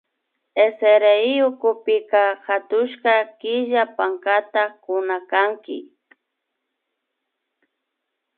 SRI ukupi hatushka killa pankata kunakanki